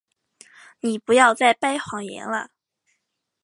你不要再掰谎言了。